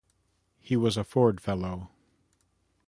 He was a Ford fellow.